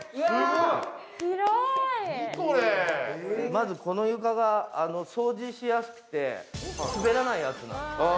まずこの床が掃除しやすくて滑らないやつなんです。